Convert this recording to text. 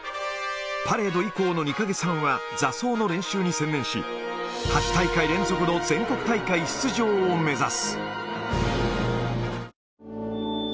パレード以降の２か月半は、座奏の練習に専念し、８大会連続の全国大会出場を目指す。